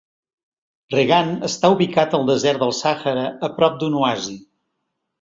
Reggane està ubicat al desert del Sàhara, a prop d'un oasi.